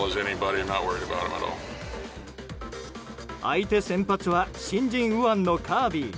相手先発は新人右腕のカービー。